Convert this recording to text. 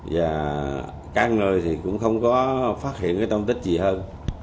và các người thì cũng không có phát hiện cái thông tích gì hơn